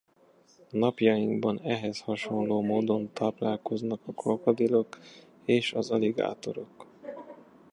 Napjainkban ehhez hasonló módon táplálkoznak a krokodilok és az aligátorok.